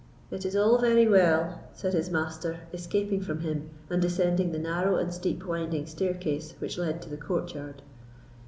"It is all very well," said his master, escaping from him and descending the narrow and steep winding staircase which led to the courtyard.